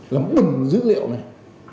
làm bừng dữ liệu này